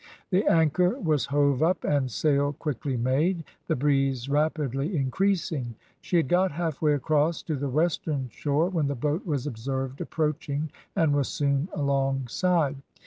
The anchor was hove up, and sail quickly made, the breeze rapidly increasing. She had got halfway across to the western shore when the boat was observed approaching and was soon alongside.